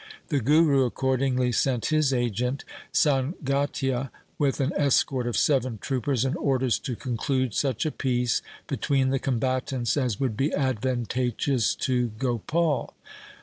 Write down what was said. The Guru accordingly sent his agent San gatia with an escort of seven troopers and orders to conclude such a peace between the combatants as would be advantageous to Gopal.